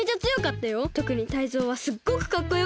とくにタイゾウはすっごくかっこよかった。